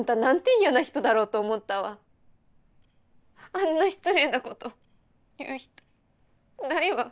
あんな失礼なこと言う人ないわ。